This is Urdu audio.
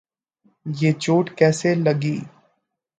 یہ چوٹ کیسے لگی؟